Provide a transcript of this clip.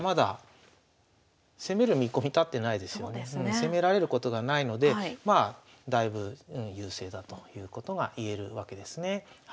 攻められることがないのでだいぶ優勢だということがいえるわけですね。